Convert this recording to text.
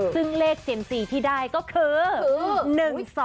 ซึ่งเลขเซียมซีที่ได้ก็คือ๑๒